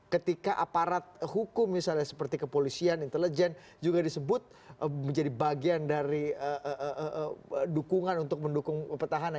ketika aparat hukum misalnya seperti kepolisian intelijen juga disebut menjadi bagian dari dukungan untuk mendukung petahana